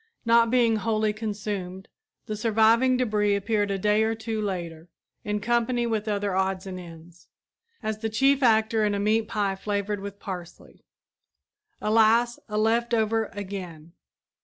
Not being wholly consumed, the surviving debris appeared a day or two later, in company with other odds and ends, as the chief actor in a meat pie flavored with parsley. Alas, a left over again!